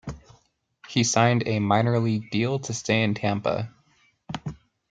He signed a minor league deal to stay in Tampa.